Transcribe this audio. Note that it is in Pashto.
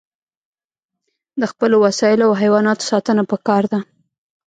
د خپلو وسایلو او حیواناتو ساتنه پکار ده.